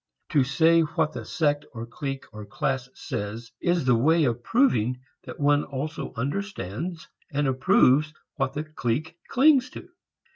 To say what the sect or clique or class says is the way of proving that one also understands and approves what the clique clings to.